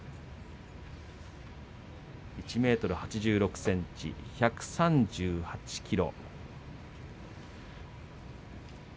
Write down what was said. １ｍ８６ｃｍ１３８ｋｇ。